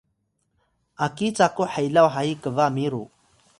aki caku helaw hayi kba miru